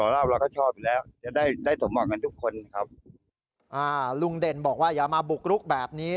ลุงเด่นบอกว่าอย่ามาบุกรุกแบบนี้